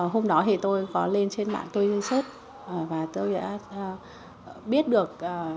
hôm đó thì tôi có lên trên mạng tôi diên xuất và tôi đã biết được